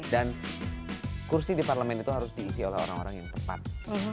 dan kursi di parlemen itu harus diisi oleh orang orang yang tepat